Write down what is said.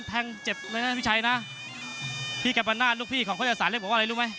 แพงเจ็บเลยนะพี่ชัยนะพี่แก่ปันนาลูกพี่ของโคยศาลเรียกผมอะไรรู้ไหม